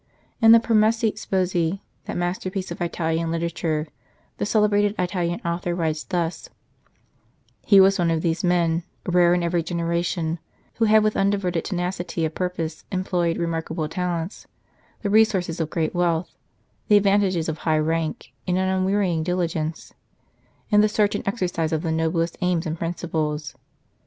In the " Promessi Sposi," that masterpiece of Italian literature, the celebrated Italian author writes thus :" He was one of those men, rare in every genera tion, who have with undiverted tenacity of purpose employed remarkable talents, the resources of great wealth, the advantages of high rank, and an unwearying diligence, in the search and exercise of the noblest aims and principles.